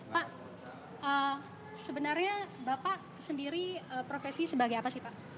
pak sebenarnya bapak sendiri profesi sebagai apa sih pak